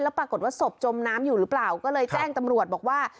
ปรากฏว่าศพจมน้ำอยู่หรือเปล่าก็เลยแจ้งตำรวจบอกว่า